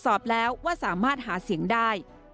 สอบแล้วว่าสามารถหาเสียงได้